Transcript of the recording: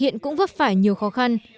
ông renzi cũng vấp phải nhiều khó khăn